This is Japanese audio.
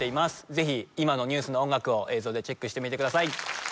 ぜひ今のＮＥＷＳの音楽を映像でチェックしてみてください